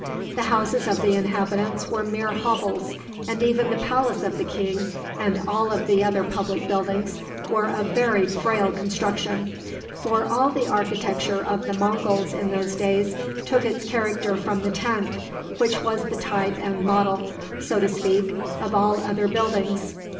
The houses of the inhabitants were mere hovels, and even the palace of the king, and all the other public buildings, were of very frail construction; for all the architecture of the Monguls in those days took its character from the tent, which was the type and model, so to speak, of all other buildings.